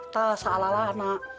tak sealala anak